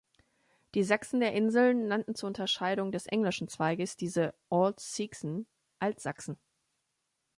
Die Sachsen der Insel nannten zur Unterscheidung des englischen Zweiges diese "Eald-seaxan", Altsachsen.